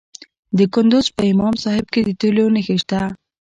د کندز په امام صاحب کې د تیلو نښې شته.